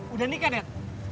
udah nikah net